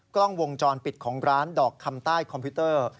กล้องวงจรปิดของร้านดอกคำใต้คอมพิวเตอร์